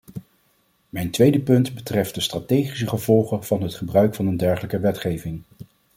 Mijn tweede punt betreft de strategische gevolgen van het gebruik van een dergelijke wetgeving.